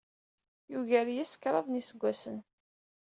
Yugar-iyi s kraḍ n yiseggasen.